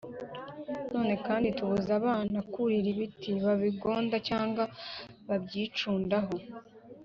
None kandi tubuza abana kurira ibiti babigonda cyangwa babyicundaho